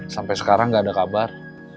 sampai sekarang gak ada kabar